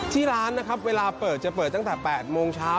ที่ร้านนะครับเวลาเปิดจะเปิดตั้งแต่๘โมงเช้า